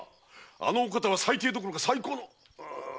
あのお方は最低どころか最高のイヤ。